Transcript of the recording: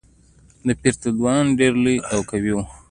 ديپروتودونان ډېر لوی او قوي وو.